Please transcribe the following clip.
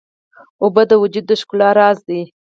اوبه د وجود د ښکلا راز دي.